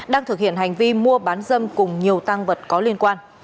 đang thực hiện hành vi mua bán dâm cùng nhiều tăng vật có liên quan